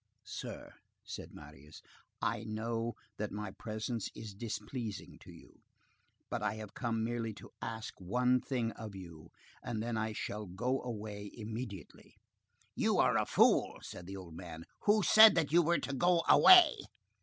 "Sir," said Marius, "I know that my presence is displeasing to you, but I have come merely to ask one thing of you, and then I shall go away immediately." "You are a fool!" said the old man. "Who said that you were to go away?"